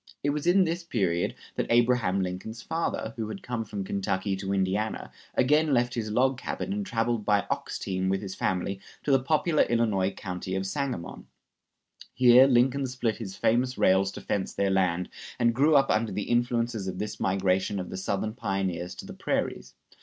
It was in this period that Abraham Lincoln's father, who had come from Kentucky to Indiana, again left his log cabin and traveled by ox team with his family to the popular Illinois county of Sangamon. Here Lincoln split his famous rails to fence their land, and grew up under the influences of this migration of the Southern pioneers to the prairies.